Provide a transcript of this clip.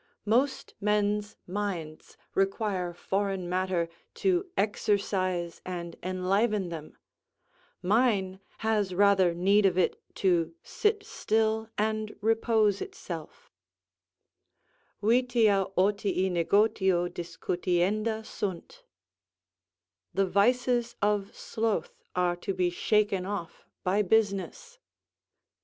Most men's minds require foreign matter to exercise and enliven them; mine has rather need of it to sit still and repose itself, "Vitia otii negotio discutienda sunt," ["The vices of sloth are to be shaken off by business."